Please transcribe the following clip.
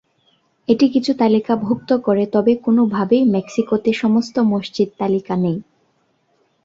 এটি কিছু তালিকাভুক্ত করে তবে কোন ভাবেই মেক্সিকোতে সমস্ত মসজিদ তালিকা নেই।